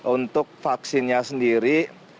untuk vaksinnya sendiri